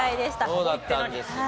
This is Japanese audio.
そうだったんですね。